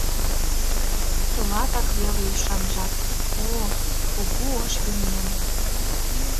Тылатак веле ӱшанжат, о-о Кугу Ош Юмем!..